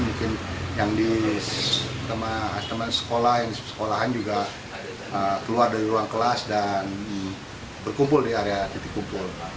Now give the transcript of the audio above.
mungkin yang di teman sekolah yang di sekolahan juga keluar dari ruang kelas dan berkumpul di area titik kumpul